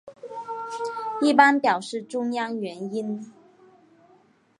一般表示中央元音。